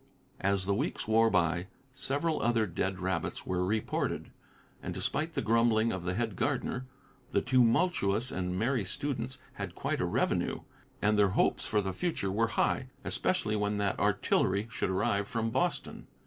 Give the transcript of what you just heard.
As the weeks wore by, several other dead rabbits were reported, and despite the grumbling of the head gardener, the tumultuous and merry students had quite a revenue, and their hopes for the future were high, especially when that artillery should arrive from Boston!